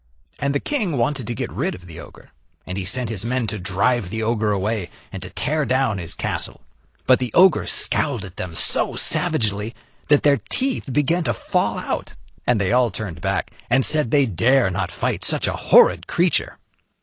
And the king wanted to get rid of the ogre, and he sent his men to drive the ogre away and to tear down his castle. But the ogre scowled at them so savagely that their teeth began to fall out, and they all turned back and said they dare not fight such a horrid creature.